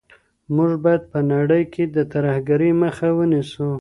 موږ باید په نړۍ کي د ترهګرۍ مخه ونیسو.